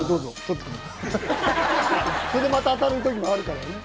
それでまた当たる時もあるからね。